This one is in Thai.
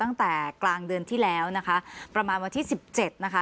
ตั้งแต่กลางเดือนที่แล้วนะคะประมาณวันที่สิบเจ็ดนะคะ